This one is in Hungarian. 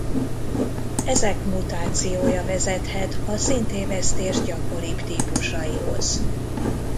Ezek mutációja vezethet a színtévesztés gyakoribb típusaihoz.